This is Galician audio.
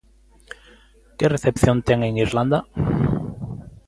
Que recepción ten en Irlanda?